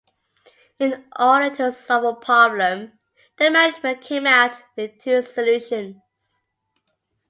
In order to solve the problem, the management came out with two solutions.